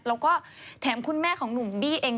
แล้วก็แถมคุณแม่ของหนุ่มบี้เอง